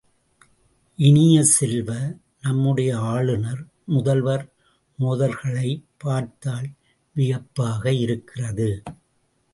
இனிய செல்வ, நம்முடைய ஆளுநர் முதல்வர் மோதல்களைப் பார்த்தால் வியப்பாக இருக்கிறது.